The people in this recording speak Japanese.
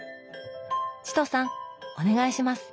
チトさんお願いします！